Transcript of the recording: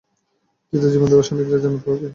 যুদ্ধে জীবন দেওয়া সৈনিকরা জান্নাত পাবে।